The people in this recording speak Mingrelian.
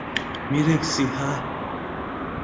მირექ სი ჰა ?